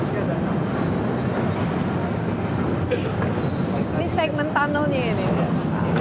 ini segmen tunnelnya ini